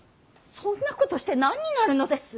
そんなことして何になるのです。